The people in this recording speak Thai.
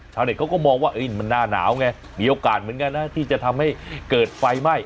เขาก็มองว่ามันหน้าหนาวไงมีโอกาสเหมือนกันนะที่จะทำให้เกิดไฟไหม้